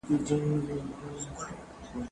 زه د کتابتوننۍ سره خبري کړي دي؟!